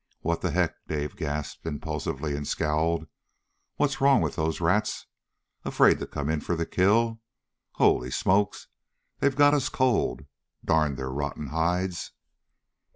"What the heck?" Dave gasped impulsively, and scowled. "What's wrong with those rats? Afraid to come in for the kill? Holy smokes! They've got us cold, darn their rotten hides."